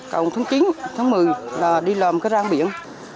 còn tháng chín tháng một mươi là đi làm cái rong biển